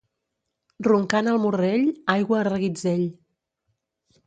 Roncant el Morrell, aigua a reguitzell.